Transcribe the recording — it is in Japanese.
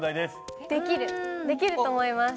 できると思います。